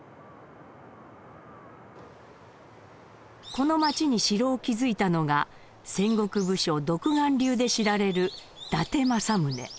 この町に城を築いたのが戦国武将独眼竜で知られる伊達政宗。